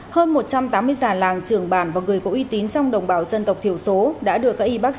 hơn một trăm tám mươi giàn làng trường bàn và người có uy tín trong đồng bào dân tộc thiểu số đã được các y bác sĩ